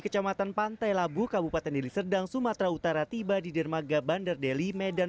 kecamatan pantai labu kabupaten deli serdang sumatera utara tiba di dermaga bandar deli medan